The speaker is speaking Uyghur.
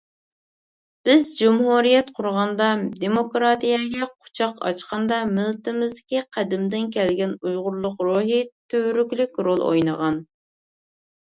بىز جۇمھۇرىيەت قۇرغاندا، دېموكراتىيەگە قۇچاق ئاچقاندا مىللىتىمىزدىكى قەدىمدىن كەلگەن ئۇيغۇرلۇق روھى تۈۋرۈكلۈك رول ئوينىغان.